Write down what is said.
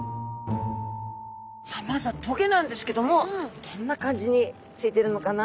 さあまずはトゲなんですけどもどんな感じについてるのかな？